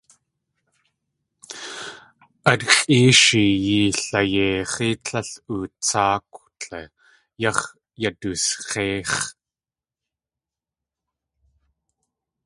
At xʼéeshi yeelayeix̲í tlél utsáakw tle yax̲ yadusx̲éix̲.